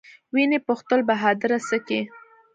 ويې پوښتل بهادره سه کې.